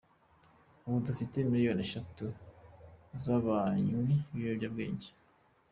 Ubu dufite miliyoni eshatu z’abanywi b’ibiyobyabwenge.